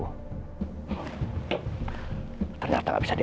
hal yang tadinya aku harapin bisa bantu aku